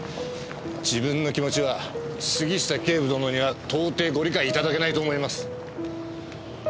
自分の気持ちは杉下警部殿には到底ご理解いただけないと思います。